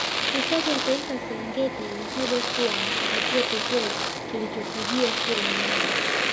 Hifadhi ya Taifa ya Serengeti imetajwa kuwa ni kivutio pekee kilichopigiwa kura nyingi